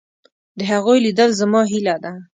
د هغوی لیدل زما هیله ده.